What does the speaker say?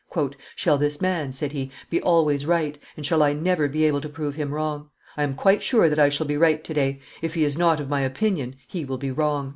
"Shall this man," said he, "be always right, and shall I never be able to prove him wrong? I am quite sure that I shall be right to day; if he is not of my opinion, he will be wrong."